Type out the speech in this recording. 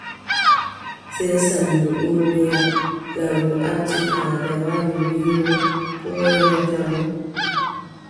Sey Sammbo ɗon woya, laamɗo acci faada wari, wiʼi mo ko woynata mo.